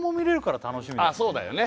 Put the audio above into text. そうだよね